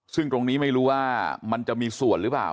ซึ่งตรงนี้ไม่รู้ว่ามันจะมีส่วนหรือเปล่า